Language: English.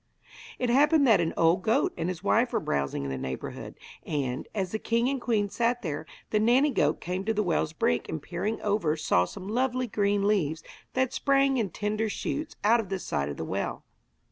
It happened that an old goat and his wife were browsing in the neighbourhood, and, as the king and queen sat there, the nanny goat came to the well's brink and peering over saw some lovely green leaves that sprang in tender shoots out of the side of the well.